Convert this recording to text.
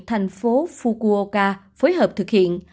thành phố fukuoka phối hợp thực hiện